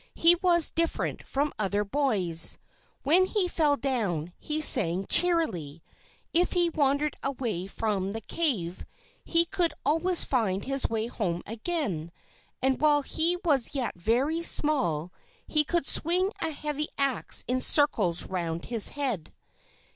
He was different from other boys. When he fell down, he sang cheerily; if he wandered away from the cave, he could always find his way home again; and while he was yet very small, he could swing a heavy axe in circles round his head.